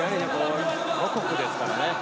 母国ですからね。